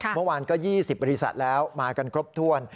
เมื่อวานก็๒๐บริษัทแล้วมากันครบถ้วน